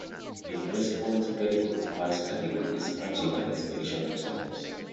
In response, Pericles passed a decree dispatching an expedition to Samos.